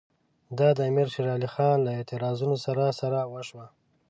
دا د امیر شېر علي خان له اعتراضونو سره سره وشوه.